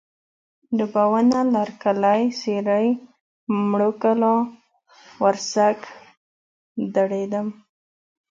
ډبونه، لرکلی، سېرۍ، موړو کلا، ورسک، دړیدم